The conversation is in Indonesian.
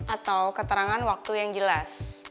atau keterangan waktu yang jelas